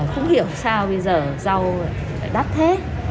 không hiểu sao bây giờ rau đắt thế